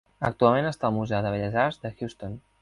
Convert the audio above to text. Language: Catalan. Actualment està al Museu de Belles Arts de Houston.